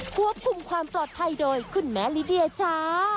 ควบคุมความปลอดภัยโดยคุณแม่ลิเดียจ้า